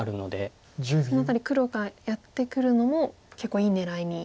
その辺り黒がやってくるのも結構いい狙いに。